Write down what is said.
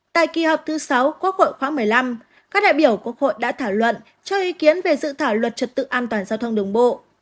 tại kỳ họp thứ sáu quốc hội khóa một mươi năm các đại biểu quốc hội đã thảo luận cho ý kiến về dự thảo luật trật tự an toàn giao thông đường bộ